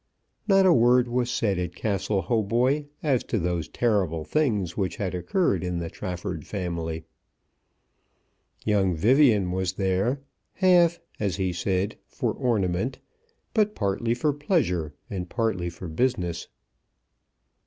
Not a word was said at Castle Hautboy as to those terrible things which had occurred in the Trafford family. Young Vivian was there, half, as he said, for ornament, but partly for pleasure and partly for business.